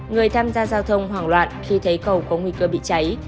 người tham gia giao thông hoảng loạn khi thấy cầu có nguy cơ bị cháy